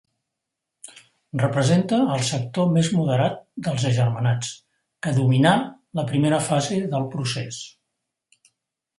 Representa el sector més moderat dels agermanats, que dominà la primera fase del procés.